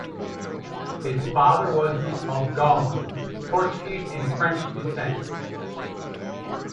His father was of Goan, Portuguese and French descent.